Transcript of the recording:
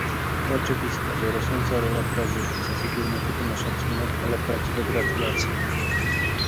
To oczywiste, że rosnąca rola Brazylii zasługuje nie tylko na szacunek, ale prawdziwe gratulacje